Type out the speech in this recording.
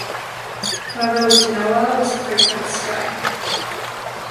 However, with Genoa was frequent strife.